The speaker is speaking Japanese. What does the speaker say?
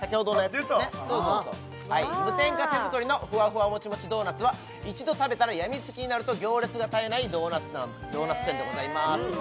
はい無添加手作りのふわふわもちもちドーナツは一度食べたら病みつきになると行列が絶えないドーナツ店でございます